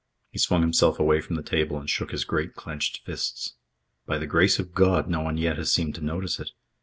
He swung himself away from the table and shook his great clenched firsts. "By the grace of God, no one yet has seemed to notice it.